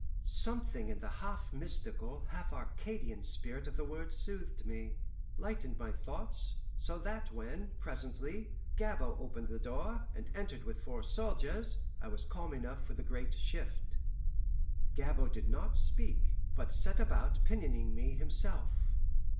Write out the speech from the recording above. Something in the half mystical, half Arcadian spirit of the words soothed me, lightened my thoughts, so that when, presently, Gabord opened the door, and entered with four soldiers, I was calm enough for the great shift. Gabord did not speak, but set about pinioning me himself.